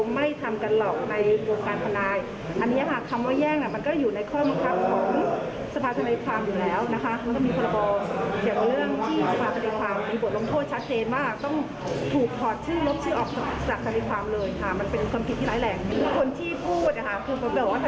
มันเป็นความผิดที่น้ายแหล่ง